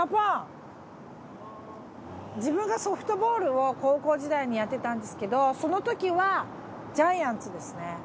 自分がソフトボールを高校時代にやってたんですけどそのときはジャイアンツですね。